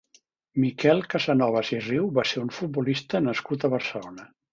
Miquel Casanovas i Riu va ser un futbolista nascut a Barcelona.